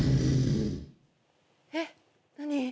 ・えっ？何？